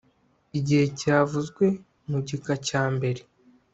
igihe cyavuzwe mu gika cya mbere